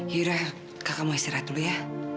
yaudah kakak mau istirahat dulu ya